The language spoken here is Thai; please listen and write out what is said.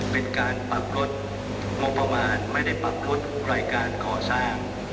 เป็นการปรับลดงบประมาณไม่ได้ปรับลดรายการก่อสร้าง